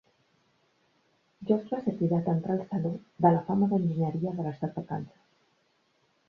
George va ser cridat a entrar al saló de la fama d'enginyeria de l'estat de Kansas.